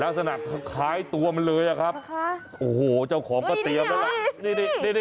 ลักษณะคล้ายตัวมันเลยอะครับโอ้โหเจ้าของก็เตรียมแล้วล่ะ